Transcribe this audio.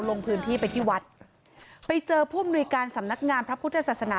ลงพื้นที่ไปที่วัดไปเจอผู้มนุยการสำนักงานพระพุทธศาสนา